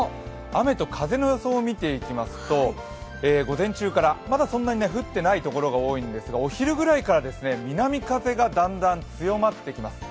雨と風の予想を見ておきますと午前中から、まだ降ってないところが多いんですけれどもお昼ぐらいから南風がだんだん強まってきます。